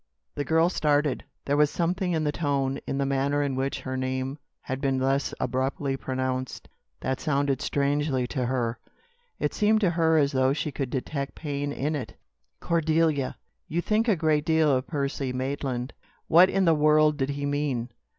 The girl started. There was something in the tone in the manner in which her name had been thus abruptly pronounced, that sounded strangely to her. It seemed to her as though she could detect pain in it. "Cordelia! You think a great deal of Percy Maitland?" What in the world did he mean?